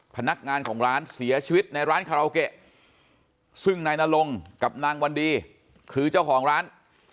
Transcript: พนักงานของร้านเสียชีวิตในร้านคาราโอเกะซึ่งนายนรงกับนางวันดีคือเจ้าของร้าน